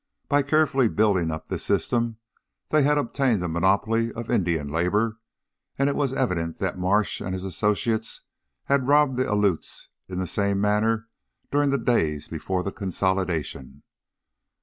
By carefully building up this system they had obtained a monopoly of Indian labor, and it was evident that Marsh and his associates had robbed the Aleuts in the same manner during the days before the consolidation.